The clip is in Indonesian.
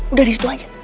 udah disitu aja